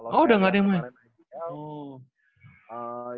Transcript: oh udah gak ada yang main